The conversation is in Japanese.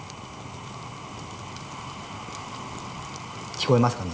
聞こえますかね。